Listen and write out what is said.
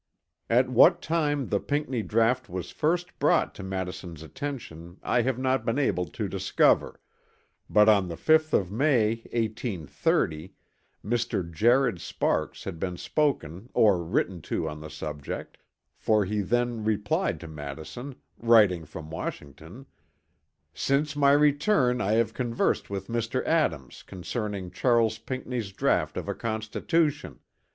At what time the Pinckney draught was first brought to Madison's attention I have not been able to discover; but on the 5th of May, 1830, Mr. Jared Sparks had been spoken or written to on the subject, for he then replied to Madison, writing from Washington, "Since my return I have conversed with Mr. Adams concerning Charles Pinckney's draught of a constitution.